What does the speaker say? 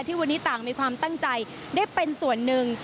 ที่วันนี้ต่างมีความตั้งใจได้เป็นส่วนหนึ่ง